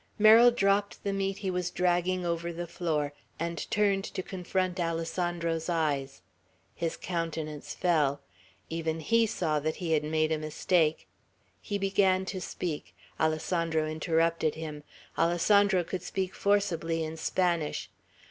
Merrill dropped the meat he was dragging over the floor, and turned to confront Alessandro's eyes. His countenance fell. Even he saw that he had made a mistake. He began to speak. Alessandro interrupted him. Alessandro could speak forcibly in Spanish.